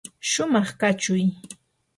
shumaq kachuy.